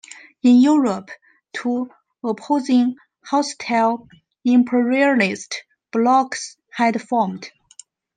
In Europe, two opposing hostile imperialist blocs had formed.